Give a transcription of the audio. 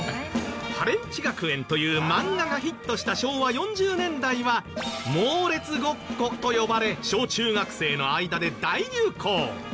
『ハレンチ学園』という漫画がヒットした昭和４０年代は「モーレツごっこ」と呼ばれ小中学生の間で大流行。